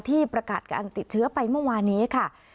ที่ประกาศการติดเชื้อไปเมื่อวานี้ค่ะ